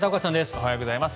おはようございます。